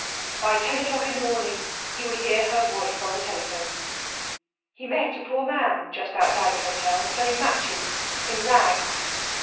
By ten o'clock in the morning he would hear her voice on the telephone. He met a poor man just outside the hotel selling matches, in rags.